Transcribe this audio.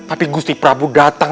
tapi gusti prabu datang